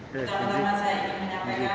pertama tama saya ingin menyampaikan